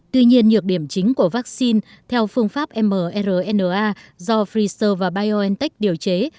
tuy nhiên nhược điểm chính của vaccine theo phương pháp mrna do freezer và biontech điều chế